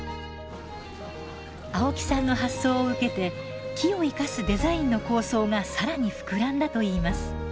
青木さんの発想を受けて木を生かすデザインの構想が更に膨らんだといいます。